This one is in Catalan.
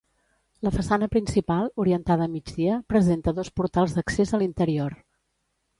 La façana principal, orientada a migdia, presenta dos portals d'accés a l'interior.